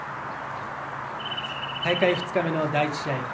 大会２日目の第１試合